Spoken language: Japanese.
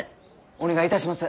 お願いいたします！